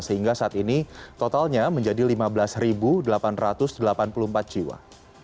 sehingga saat ini totalnya menjadi lima belas delapan ratus delapan puluh empat jiwa